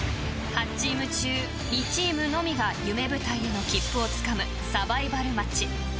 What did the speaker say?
［８チーム中２チームのみが夢舞台への切符をつかむサバイバルマッチ］